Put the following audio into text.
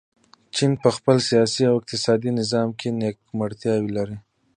چین په خپل سیاسي او اقتصادي نظام کې نیمګړتیاوې لري.